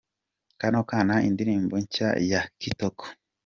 Kano Kana, indirimbo nshya ya Kitoko.